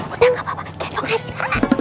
udah gapapa gendong aja